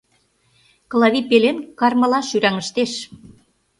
Клавий пелен кармыла шӱраҥыштеш.